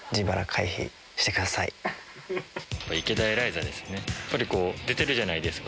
池田エライザですね。